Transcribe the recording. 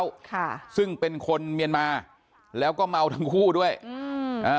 ค่ะซึ่งเป็นคนเมียนมาแล้วก็เมาทั้งคู่ด้วยอืมอ่า